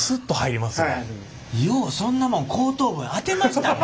ようそんなもん後頭部へ当てましたね。